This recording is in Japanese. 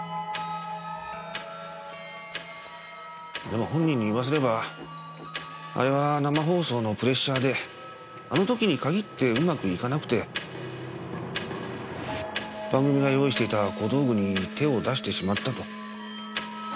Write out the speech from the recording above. でも本人に言わせればあれは生放送のプレッシャーであの時に限ってうまくいかなくて。番組が用意していた小道具に手を出してしまったと。